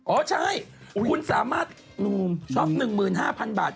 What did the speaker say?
อ๋อใช่คุณสามารถช็อป๑๕๐๐๐บาท